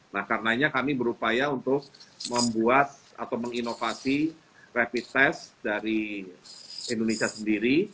nah karenanya kami berupaya untuk membuat atau menginovasi rapid test dari indonesia sendiri